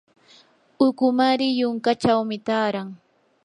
ukumari yunkachawmi taaran.